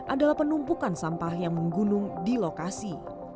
adalah penumpukan sampah yang menggunung di lokasi